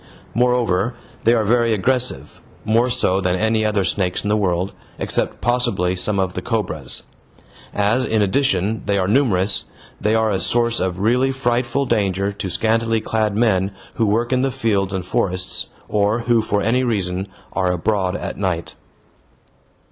Moreover, they are very aggressive, more so than any other snakes in the world, except possibly some of the cobras. As, in addition, they are numerous, they are a source of really frightful danger to scantily clad men who work in the fields and forests, or who for any reason are abroad at night.